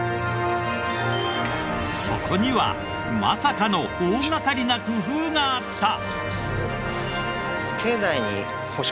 そこにはまさかの大掛かりな工夫があった！